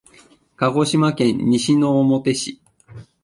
鹿児島県西之表市